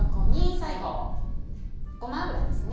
最後ごま油ですね